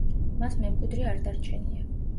მას მემკვიდრე არ დარჩენია.